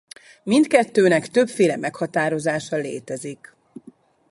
Mindkettőnek többféle meghatározása létezik.